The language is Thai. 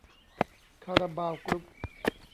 คาราบาวกรุ๊ป